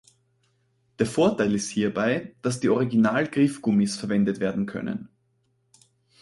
Der Vorteil ist hierbei, dass die Original-Griffgummis verwendet werden können.